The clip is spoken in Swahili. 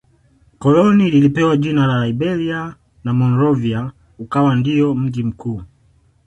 Koloni lilipewa jina la Liberia na Monrovia ukawa ndio mji mkuu